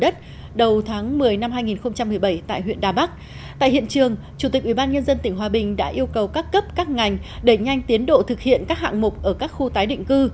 tại hiện trường chủ tịch ủy ban nhân dân tỉnh hòa bình đã yêu cầu các cấp các ngành đẩy nhanh tiến độ thực hiện các hạng mục ở các khu tái định cư